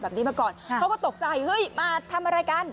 แบบนี้มาก่อนเขาก็ตกใจเฮ้ยมาทำอะไรกัน